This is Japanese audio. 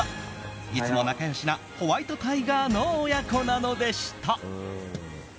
いつも仲良しなホワイトタイガー親子なのでした。